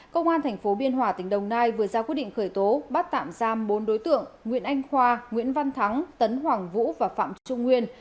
công an tp biên hòa tỉnh đồng nai vừa ra quyết định khởi tố bắt tạm giam bốn đối tượng nguyễn anh khoa nguyễn văn thắng tấn hoàng vũ và phạm trung nguyên